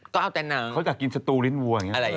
ก็เอาแต่นางเขากลับกินสตูลิ้นวัวอย่างนี้